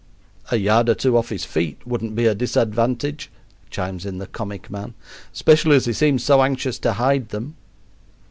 "A yard or two off his feet wouldn't be a disadvantage," chimes in the comic man, "especially as he seems so anxious to hide them."